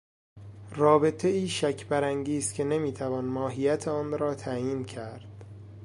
رابطهای شک برانگیز که نمیتوان ماهیت آن را تعیین کرد